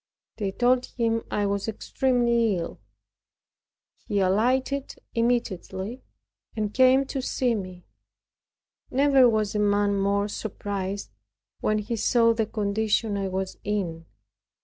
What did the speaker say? They told him I was extremely ill. He alighted immediately, and came in to see me. Never was a man more surprised, when he saw the condition I was in.